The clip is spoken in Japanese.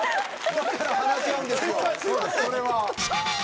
だから話し合うんですよ。